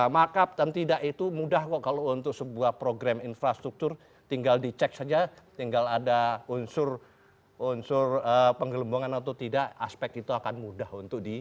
markup dan tidak itu mudah kok kalau untuk sebuah program infrastruktur tinggal dicek saja tinggal ada unsur penggelembungan atau tidak aspek itu akan mudah untuk di